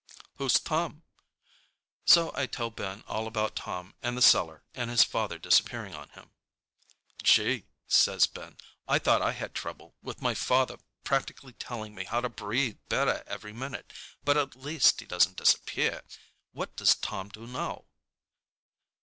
"Who's Tom?" So I tell Ben all about Tom and the cellar and his father disappearing on him. "Gee," says Ben, "I thought I had trouble, with my father practically telling me how to breathe better every minute, but at least he doesn't disappear. What does Tom do now?"